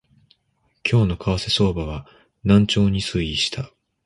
今日の為替相場は軟調に推移した